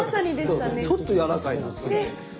そうちょっとやわらかいなって。